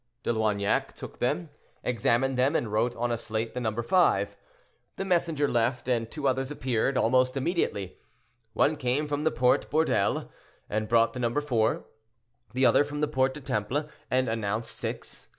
De Loignac took them, examined them, and wrote on a slate the number five. The messenger left, and two others appeared, almost immediately. One came from the Porte Bourdelle, and brought the number four, the other from the Porte du Temple, and announced six.